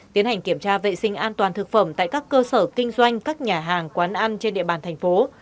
tiến hành kiểm tra vệ sinh an toàn thực phẩm tại các cơ sở kinh doanh các nhà hàng quán ăn trên địa bàn thành phố